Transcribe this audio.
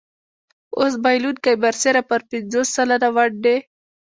اوس بایلونکی برسېره پر پنځوس سلنه ونډې.